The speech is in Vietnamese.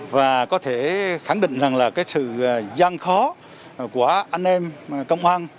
và có thể khẳng định rằng là cái sự gian khó của anh em công an